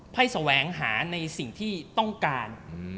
ให้แสวงหาในสิ่งที่ต้องการ